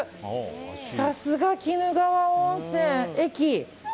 さすが鬼怒川温泉駅。